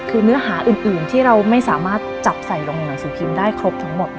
คือเนื้อหาอื่นที่เราไม่สามารถจับใส่ลงหนังสือพิมพ์ได้ครบทั้งหมด